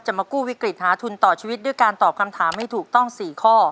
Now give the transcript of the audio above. มากู้วิกฤตหาทุนต่อชีวิตด้วยการตอบคำถามให้ถูกต้อง๔ข้อ